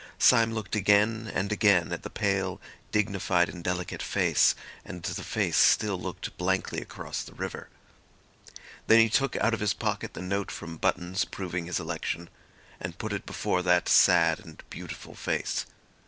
Syme looked again and again at the pale, dignified and delicate face, and the face still looked blankly across the river. Then he took out of his pocket the note from Buttons proving his election, and put it before that sad and beautiful face.